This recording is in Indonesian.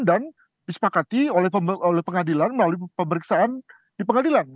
disepakati oleh pengadilan melalui pemeriksaan di pengadilan